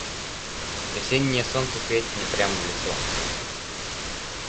Весеннее солнце светит мне прямо в лицо.